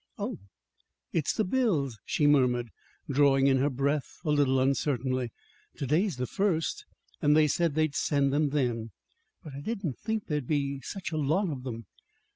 "Oh, it's the bills," she murmured, drawing in her breath a little uncertainly. "To day's the first, and they said they'd send them then. But I didn't think there'd be such a lot of them.